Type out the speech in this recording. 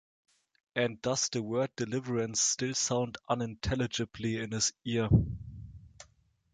And does the word deliverance still sound unintelligibly in his ear?